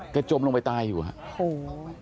กระจมลงไปตายอยู่